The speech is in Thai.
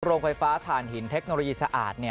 โรงไฟฟ้าฐานหินเทคโนโลยีสะอาด